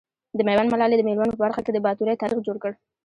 د ميوند ملالي د مېرمنو په برخه کي د باتورئ تاريخ جوړ کړ .